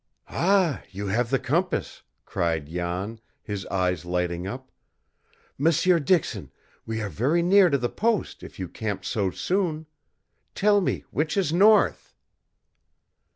"Ah, you have the compass," cried Jan, his eyes lighting up. "M'seur Dixon, we are very near to the post if you camped so soon! Tell me which is north."